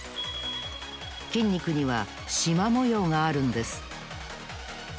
筋肉にはしまもようがあるんです